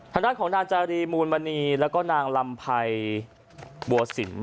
ทางด้านของนางจารีมูลมณีแล้วก็นางลำไพรบัวสิน